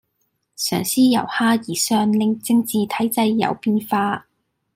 嘗試由下而上令政治體制有變化